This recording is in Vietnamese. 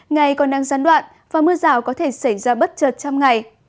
ngày còn đang gián đoạn và mưa rào có thể xảy ra bất chợt trong ngày